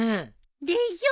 でしょ？